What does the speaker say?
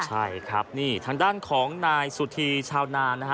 ใช่ครับนี่ทางด้านของนายสุธีชาวนานนะฮะ